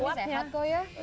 buat ini sehat kok ya